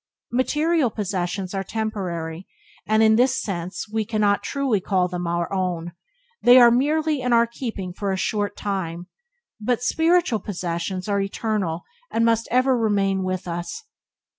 Material possessions are temporary, and in this sense we cannot truly call them our own — they are merely in our keeping for a short time — but spiritual possessions are eternal and must ever remain with us.